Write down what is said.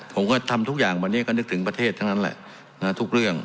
ผมก็ทำทุกอย่างวันนี้ก็นึกถึงประเทศทั้งนั้นแหละทุกเรื่อง